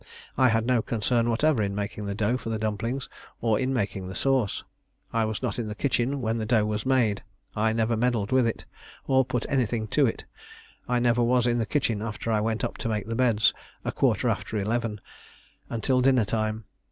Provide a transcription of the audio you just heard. I had no concern whatever in making the dough for the dumplings, or in making the sauce. I was not in the kitchen when the dough was made: I never meddled with it, or put anything to it; I never was in the kitchen after I went up to make the beds, a quarter after eleven, until dinner time.